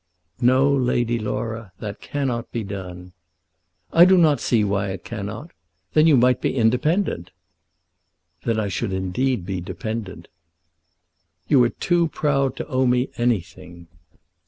"No, Lady Laura. That cannot be done." "I do not see why it cannot. Then you might be independent." "Then I should indeed be dependent." "You are too proud to owe me anything."